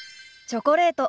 チョコレート。